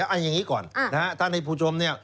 เอาอย่างนี้ก่อนนะฮะท่านพูดชมนี่